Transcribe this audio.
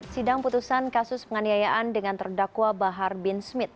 sidang putusan kasus penganiayaan dengan terdakwa bahar bin smith